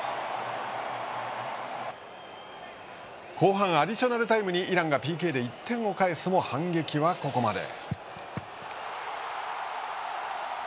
後半アディショナルタイムにイランがＰＫで１点を返すも反撃はここまで。